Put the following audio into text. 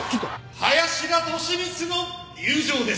林田利光の入場です。